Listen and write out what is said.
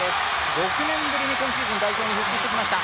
６年ぶりに今シーズン代表に復帰してきました。